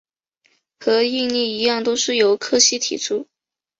和应力一样都是由柯西提出。